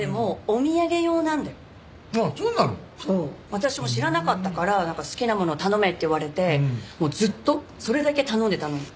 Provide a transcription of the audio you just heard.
私も知らなかったからなんか好きなもの頼めって言われてもうずっとそれだけ頼んでたのよ。